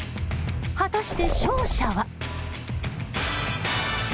果たして、勝者は。